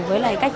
với lại các chị